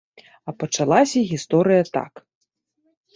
А пачалася гісторыя так.